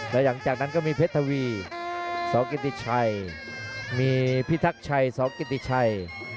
และหลังจากนั้นก็มีเพชรทวีสกิติชัยมีพิทักชัยสกิติชัย